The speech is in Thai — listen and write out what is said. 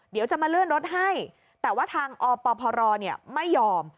เดี๋ยวจะมาเลื่อนรถให้แต่ว่าทางอปพรไม่ยอม